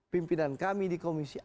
pimpinan kami di komisi